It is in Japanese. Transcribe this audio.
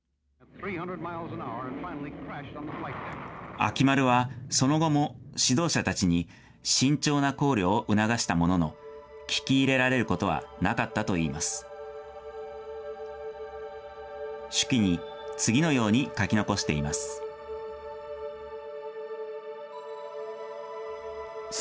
秋丸は、その後も指導者たちに慎重な考慮を促したものの、聞き入れられることはなかったといいます。